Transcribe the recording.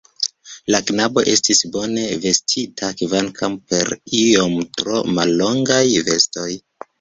La knabo estis bone vestita, kvankam per iom tro mallongaj vestoj.